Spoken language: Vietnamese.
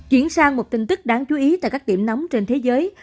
chuyển sang một tin tức đáng chú ý tại các điểm nóng trên thế giới